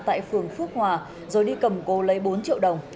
tại phường phước hòa rồi đi cầm cố lấy bốn triệu đồng